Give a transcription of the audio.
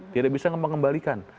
tidak bisa mengembalikan